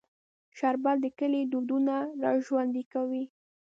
شربت د کلي دودونه راژوندي کوي